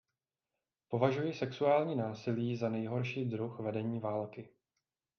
Považuji sexuální násilí za nejhorší druh vedení války.